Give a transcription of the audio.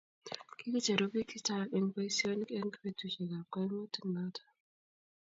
kikicheru biik che chang' eng' boisionik eng' betusiekab kaimutik noto